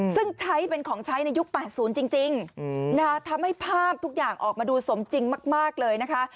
ซึ่งใช้เป็นของใช้ในยุค๘๐จริงทำให้ภาพทุกอย่างออกมาดูสมจริงมากเลยนะคะ